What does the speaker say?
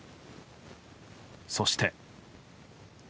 そして。